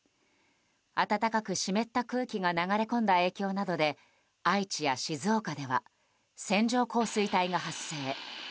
暖かく湿った空気が流れ込んだ影響などで愛知や静岡では線状降水帯が発生。